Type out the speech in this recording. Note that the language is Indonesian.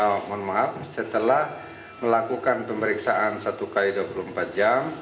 saya mohon maaf setelah melakukan pemeriksaan satu x dua puluh empat jam